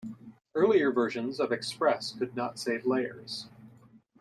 Earlier versions of Express could not save layers.